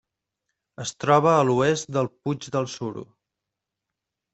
Es troba a l'oest del Puig del Suro.